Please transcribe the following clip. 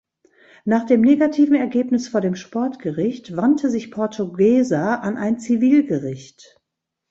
Nach dem negativen Ergebnis vor dem Sportgericht wandte sich Portuguesa an ein Zivilgericht.